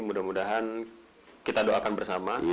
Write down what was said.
mudah mudahan kita doakan bersama